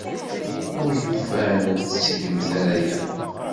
A win yufan, ur tettgemt ara aya.